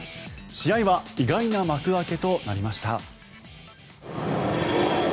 試合は意外な幕開けとなりました。